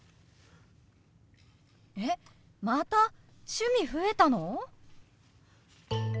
えっまた趣味増えたの！？